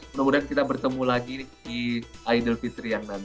mudah mudahan kita bertemu lagi di idul fitri yang nanti